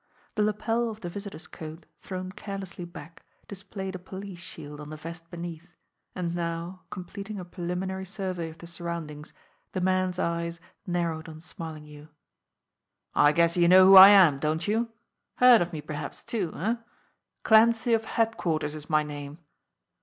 The lapel of the visitor's coat thrown carelessly back displayed a police shield on the vest beneath; and now, completing a preliminary survey of the surroundings, the man's eyes narrowed on Smarlinghue. "I guess you know who I am, don't you? Heard of me perhaps, too eh? Clancy of headquarters is my name!"